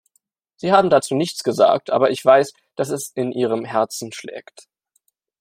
Sie haben dazu nichts gesagt, aber ich weiß, dass es in Ihrem Herzen schlägt.